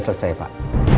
punya coverage nya sedikit